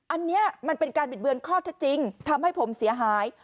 อันนี้มันเป็นการบิดเบือนข้อเท็จจริงทำให้ผมเสียหาย